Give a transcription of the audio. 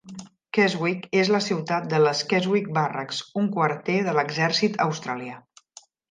Keswick és la ciutat de les Keswick Barracks, un quarter de l'exèrcit australià.